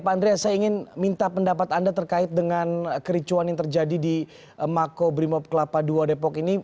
pak andreas saya ingin minta pendapat anda terkait dengan kericuan yang terjadi di mako brimob kelapa ii depok ini